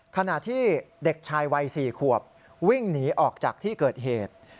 ขณะที่เด็กชายวัย๔ขวบวิ่งหนีออกจากที่เกิดเหตุ